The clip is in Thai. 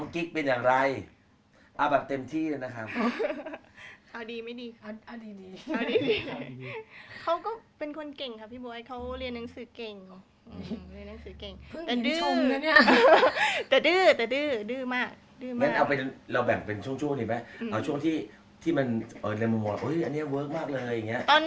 ก็ไม่มีกำหนดคืนไงพี่ขวัย